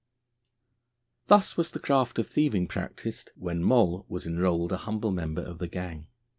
Thus was the craft of thieving practised when Moll was enrolled a humble member of the gang.